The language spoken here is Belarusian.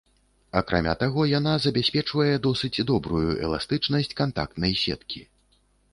Акрамя таго, яна забяспечвае досыць добрую эластычнасць кантактнай сеткі.